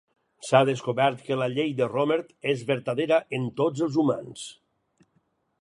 S'ha descobert que la llei de Rohmert és vertadera en tots els humans.